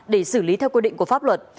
để xử lý theo quy định của pháp luật